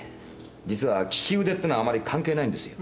実は「利き腕」っていうのはあんまり関係ないんですよ。